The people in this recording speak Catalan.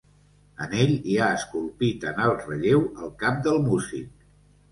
En ell hi ha esculpit en alt relleu el cap del músic.